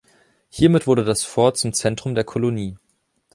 Hiermit wurde das Fort zum Zentrum der Kolonie.